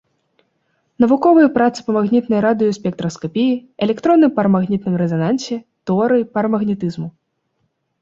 Навуковыя працы па магнітнай радыёспектраскапіі, электронным парамагнітным рэзанансе, тэорыі парамагнетызму.